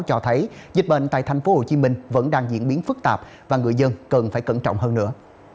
cho thấy dịch bệnh tại tp hcm vẫn đang diễn biến phức tạp và người dân cần phải cẩn trọng hơn nữa